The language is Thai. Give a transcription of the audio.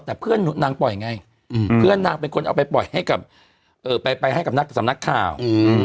แต่เพื่อนนางปล่อยไงเพื่อนนางเป็นคนเอาไปปล่อยให้กับไปให้กับนักสำนักข่าว